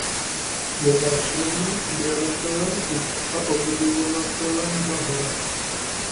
Je vášnivým sběratelem hub a obdivovatelem zahrad.